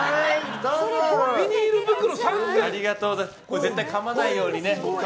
絶対かまないようにね。